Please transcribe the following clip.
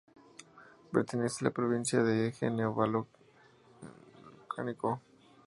Pertenece a la provincia del Eje Neovolcánico.